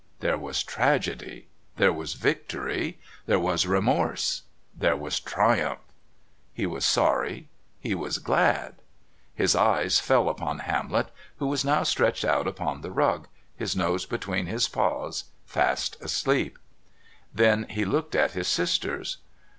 There was Tragedy, there was Victory, there was Remorse, there was Triumph. He was sorry, he was glad. His eyes fell upon Hamlet, who was now stretched out upon the rug, his nose between his paws, fast asleep. Then he looked at his sisters.